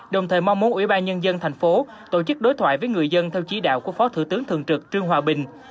đồng thời mong muốn ủy ban nhân dân thành phố tổ chức đối thoại với người dân theo chỉ đạo của phó thủ tướng thường trực trương hòa bình